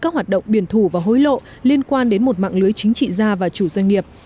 các hoạt động biển thủ và hối lộ liên quan đến một mạng lưới chính trị gia và chủ doanh nghiệp